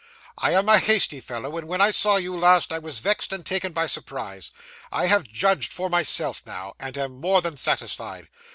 'I am a hasty fellow, and when I saw you last, I was vexed and taken by surprise. I have judged for myself now, and am more than satisfied.